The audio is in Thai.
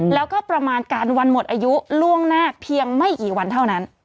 แล้วก็ประมาณการวันหมดอายุล่วงหน้าเพียงไม่กี่วันเท่านั้น